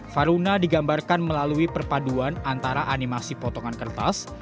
faruna digambarkan melalui perpaduan antara animasi potongan kertas